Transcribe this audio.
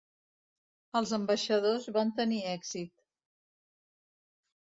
Els ambaixadors van tenir èxit.